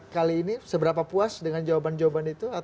kali ini seberapa puas dengan jawaban jawaban itu